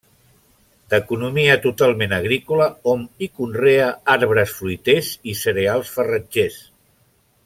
D'economia totalment agrícola, hom hi conrea arbres fruiters i cereals farratgers.